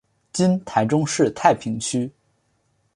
今台中市太平区。